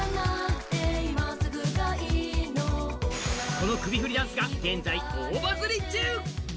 この首振りダンスが現在、大バズリ中。